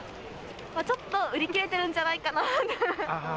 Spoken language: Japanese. ちょっと売り切れてるんじゃないかなって。